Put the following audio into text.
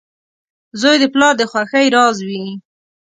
• زوی د پلار د خوښۍ راز وي.